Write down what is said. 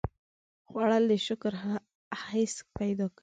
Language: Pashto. خوړل د شکر حس پیدا کوي